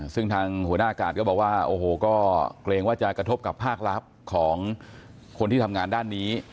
ซึ่งทางหัวหน้ากาศก็บอกว่าโอ้โหก็เกรงว่าจะกระทบกับภาคลับของคนที่ทำงานด้านนี้